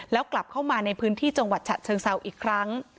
แล้วกลับเข้ามาในพื้นที่จังหวัดฉะเชิงเซาอีกครั้ง